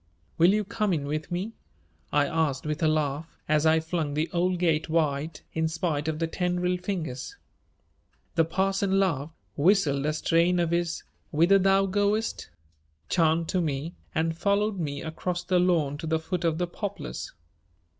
"Will you come in with me?" I asked with a laugh, as I flung the old gate wide in spite of the tendril fingers. The parson laughed, whistled a strain of his "whither thou goest" chant to me and followed me across the lawn to the foot of the poplars.